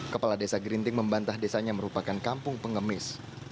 kepala desa gerinting membantah desanya merupakan kampung pengemis